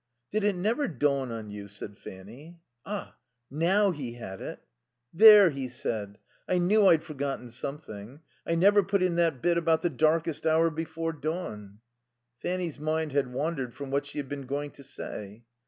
"Did it never dawn on you " said Fanny. Ah, now he had it. "There!" he said. "I knew I'd forgotten something. I never put in that bit about the darkest hour before dawn." Fanny's mind had wandered from what she had been going to say.